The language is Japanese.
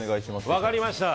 分かりました。